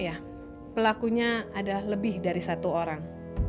iya pelakunya ada lebih dari satu orang